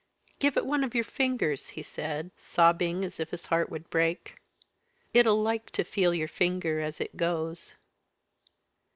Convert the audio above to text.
'Give it one of your fingers,' he said, sobbing as if his heart would break. 'It'll like to feel your finger as it goes!'